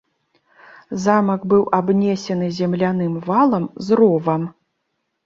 Замак быў абнесены земляным валам з ровам.